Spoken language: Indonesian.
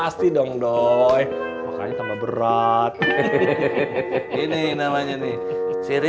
sudah my p piel alliance